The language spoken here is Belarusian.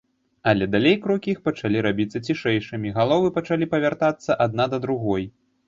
Але далей крокі іх пачалі рабіцца цішэйшымі, галовы пачалі павяртацца адна да другой.